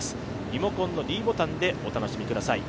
リモコンのｄボタンでお楽しみください。